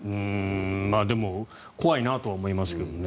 でも怖いなとは思いますけどね。